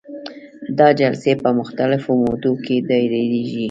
دا جلسې په مختلفو مودو کې دایریږي.